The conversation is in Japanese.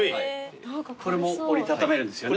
これも折り畳めるんですよね？